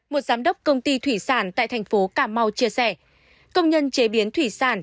một giám đốc công ty thủy sản tại thành phố cà mau chia sẻ công nhân chế biến thủy sản